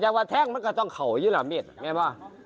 แต่ว่าแท้งมันก็ต้องเข่าอยู่หลายเมตรมั้ยบ้าง